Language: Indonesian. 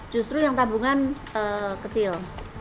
justru yang tabungan kecil